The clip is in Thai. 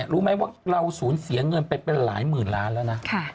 รู้ไหมว่าเราสูญเสียเงินไปเป็นหลายหมื่นล้านแล้วนะ